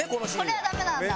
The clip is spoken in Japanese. これはダメなんだ。